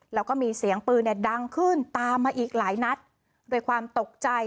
แล้วก็มีเสียงปืนเนี่ยดังขึ้นตามมาอีกหลายนัดโดยความตกใจ